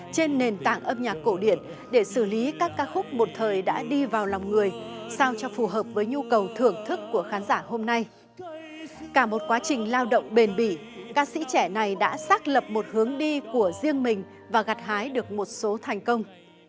cả một quá trình lao động bền bỉ ca sĩ trẻ này đã xác lập một hướng đi của riêng mình và gặt hái được một số thành công